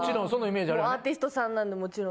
アーティストさんなんでもちろん。